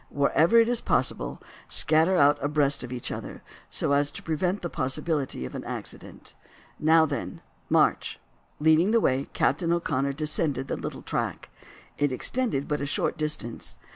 Wherever it is possible scatter out abreast of each other, so as to prevent the possibility of accident. Now, then, march!" Leading the way, Captain O'Connor descended the little track. It extended but a short distance.